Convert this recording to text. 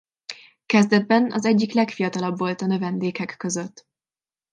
Kezdetben az egyik legfiatalabb volt a növendékek között.